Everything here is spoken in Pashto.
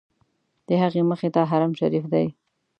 د هغې مخې ته حرم شریف دی.